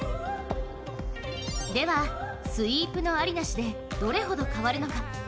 では、スイープのあり・なしでどれだけ変わるのか。